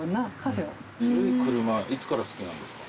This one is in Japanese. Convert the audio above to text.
古い車いつから好きなんですか？